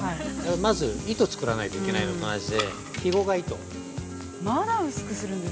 まず糸を作らないといけないのと同じでひごが糸。